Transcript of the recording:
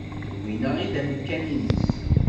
D win ay d amkan-nnes.